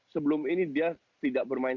sebelum ini dia tidak bermain